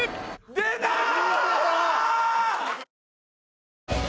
出たー！